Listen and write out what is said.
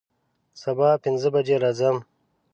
سبا پنځه بجې راځم